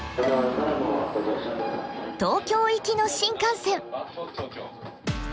東京行きの新幹線。